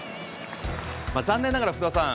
残念ながら福田さん